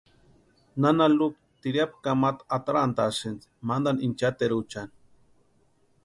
Nana Lupa tiriapu kamata atarantʼasïnti mantani inchateruchani.